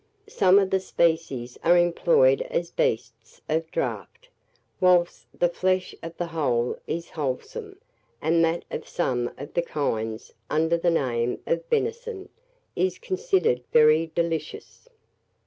Some of the species are employed as beasts of draught, whilst the flesh of the whole is wholesome, and that of some of the kinds, under the name of "venison," is considered very delicious.